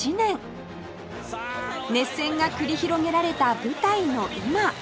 熱戦が繰り広げられた舞台の今